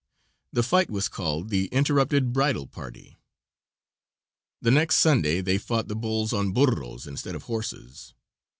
The fight was called "The Interrupted Bridal Party." The next Sunday they fought the bulls on burros instead of horses.